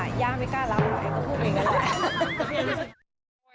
ย่าไม่กล้าเล่าเลยก็พูดไปอย่างนั้นแหละ